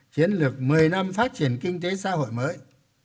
chiến lược một mươi năm phát triển kinh tế xã hội mới